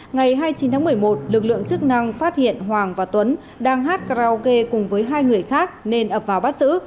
ngày hai mươi chín tháng một mươi một lực lượng chức năng phát hiện hoàng và tuấn đang hát karaoke cùng với hai người khác nên ập vào bắt giữ